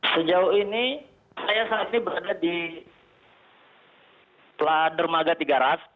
sejauh ini saya saat ini berada di dermaga tiga ras